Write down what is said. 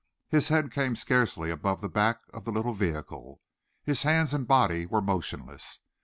His head came scarcely above the back of the little vehicle, his hands and body were motionless.